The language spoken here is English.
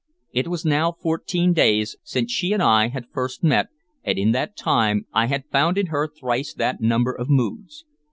It was now fourteen days since she and I had first met, and in that time I had found in her thrice that number of moods.